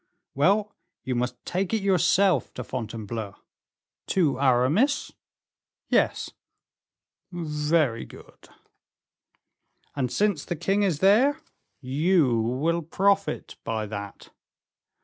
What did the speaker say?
"Well, you must take it yourself to Fontainebleau." "To Aramis?" "Yes." "Very good." "And since the king is there " "You will profit by that."